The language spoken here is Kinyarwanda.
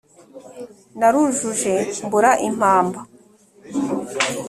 Narujuje mbura impamba.